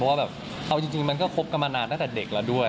ว่าแบบเอาจริงมันก็คบกันมานานตั้งแต่เด็กแล้วด้วย